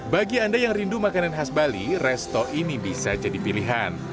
bagi anda yang rindu makanan khas bali resto ini bisa jadi pilihan